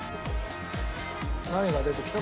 何が出てきた？